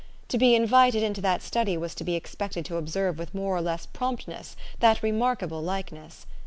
To be invited into that study was to be expected to observe with more or less promptness that remarkable likeness.